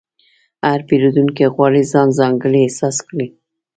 هر پیرودونکی غواړي ځان ځانګړی احساس کړي.